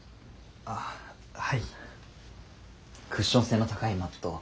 クッション性の高いマット。